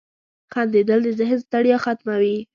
• خندېدل د ذهن ستړیا ختموي.